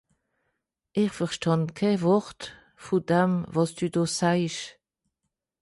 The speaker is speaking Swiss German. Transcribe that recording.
Ìch versteh kenn Wort vùn dem, wàs dü do saasch.